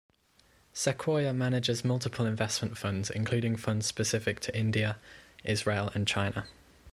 Sequoia manages multiple investment funds including funds specific to India, Israel, and China.